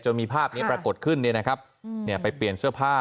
จนมีภาพไม่ปรากฏขึ้นเลยนะครับไปเปลี่ยนเสื้อผ้า